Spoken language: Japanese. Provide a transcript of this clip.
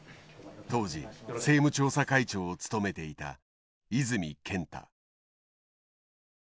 当時政務調査会長を務めていた泉健太。